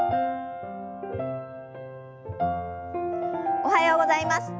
おはようございます。